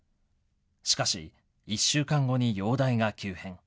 しかし、１週間後に容体が急変。